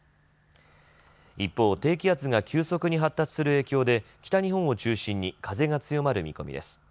一方、低気圧が急速に発達する影響で北日本を中心に風が強まる見込みです。